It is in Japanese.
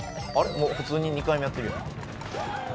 もう普通に２回目やってるやん。